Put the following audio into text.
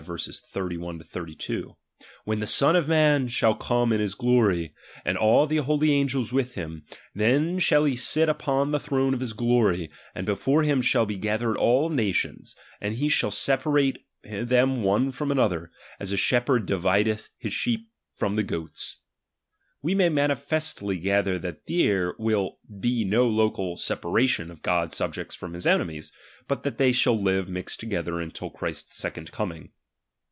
31 32J ; When the Son of man shall come in his glory, and all the holy angels with him, then shall he sit upon the throne of his glory, and before him shall be gathered all nations ; and he shall separate them one from another, as a shepherd divideth his sheep from the goats : we may manifestly gather that there will be no local separation of God's sub jects from his enemies, but that they shall live mixed together until Christ's second coming.